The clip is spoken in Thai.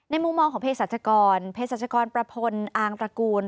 มุมมองของเพศรัชกรเพศรัชกรประพลอางตระกูล